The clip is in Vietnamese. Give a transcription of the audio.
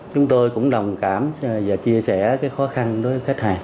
chúng tôi cũng đồng cảm và chia sẻ cái khó khăn với khách hàng